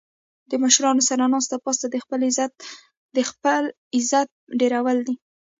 د مشرانو سره ناسته پاسته د خپل ځان عزت ډیرول وي